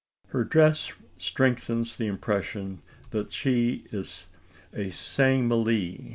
Her dress strengthens the impression that she is a sang mele.